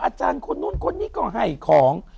อาจารย์คนนู้นคนนี้ก็ให้ของ